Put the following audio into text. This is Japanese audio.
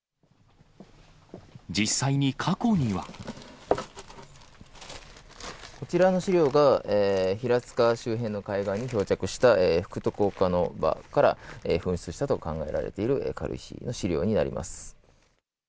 実際に過去には。こちらの資料が、平塚周辺の海岸に漂着した福徳岡ノ場から噴出したと考えられている軽石の資料になります。